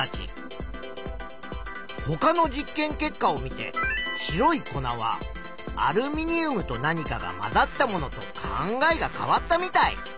ほかの実験結果を見て白い粉はアルミニウムと何かが混ざったものと考えが変わったみたい。